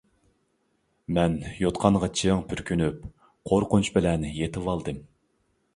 مەن يوتقانغا چىڭ پۈركىنىپ قورقۇنچ بىلەن يېتىۋالدىم.